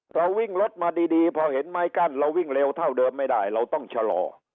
เราวิ่งรถมาดีพอเห็นไม้กั้นเราวิ่งเร็วเท่าเดิมไม่ได้เราต้องชะลอ